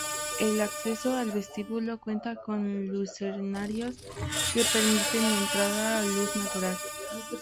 El acceso al vestíbulo cuenta con lucernarios que permiten la entrada de luz natural.